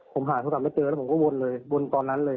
ผมหาโทรศัพท์ไม่เจอแล้วผมก็วนเลยวนตอนนั้นเลย